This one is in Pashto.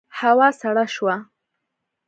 هوا سړه شوه.